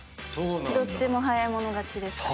どっちも早い者勝ちでした。